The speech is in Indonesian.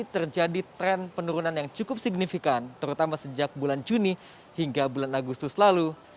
terjadi tren penurunan yang cukup signifikan terutama sejak bulan juni hingga bulan agustus lalu